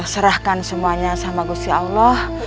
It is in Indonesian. serahkan semuanya sama gusti allah